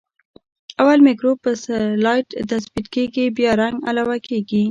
اول مکروب په سلایډ تثبیت کیږي بیا رنګ علاوه کیږي.